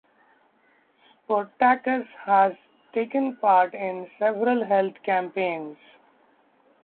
Sportacus has taken part in several health campaigns.